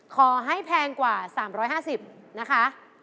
ขอให้แพงกว่า๓๕๐บาทนะคะ